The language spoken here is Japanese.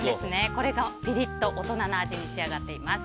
これがピリッと大人な味に仕上がっています。